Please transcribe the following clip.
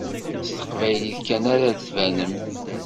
S teqbaylit kan ara ad tbanem.